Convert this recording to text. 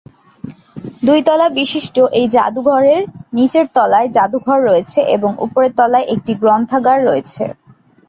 দুই তলা বিশিষ্ট এই জাদুঘরের নীচের তলায় জাদুঘর রয়েছে এবং উপরের তলায় একটি গ্রন্থাগার রয়েছে।